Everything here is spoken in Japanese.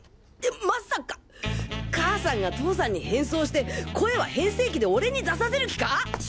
まさか母さんが父さんに変装して声は変声機で俺に出させる気か？